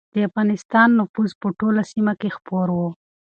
د افغانستان نفوذ په ټوله سیمه کې خپور و.